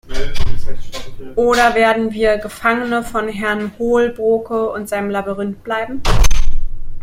Oder werden wir Gefangene von Herrn Holbrooke und seinem Labyrinth bleiben?